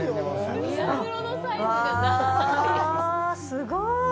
すごーい。